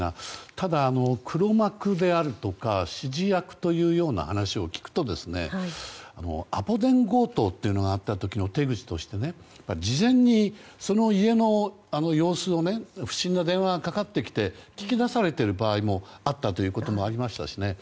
ただ、黒幕であるとか指示役というような話を聞くとアポ電強盗というのがあった時の手口として事前に、その家の様子を不審な電話がかかってきて聞き出されている場合もあったということがありましたしね。